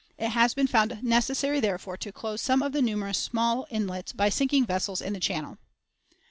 It has been found necessary, therefore, to close some of the numerous small inlets by sinking vessels in the channel."